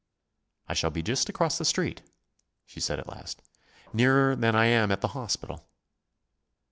"I shall be just across the Street," she said at last. "Nearer than I am at the hospital."